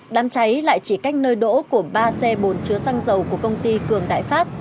đám cháy lại chỉ cách nơi đỗ của ba xe bồn chứa xăng dầu của công ty cường đại pháp